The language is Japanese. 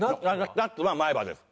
ナッツは前歯です。